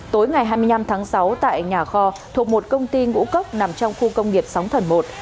tối ngày hai mươi năm tháng sáu tại nhà kho thuộc một công ty ngũ cốc nằm trong khu công nghiệp sóng thần một